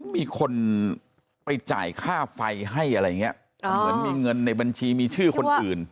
มีคนไปจ่ายค่าไฟให้อะไรอย่างเงี้ยเหมือนมีเงินในบัญชีมีชื่อคนอื่น